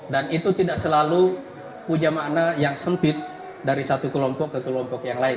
dan itu tidak selalu punya makna yang sempit dari satu kelompok ke kelompok yang lain